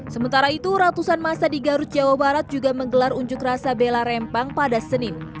sementara itu ratusan masa di garut jawa barat juga menggelar unjuk rasa bela rempang pada senin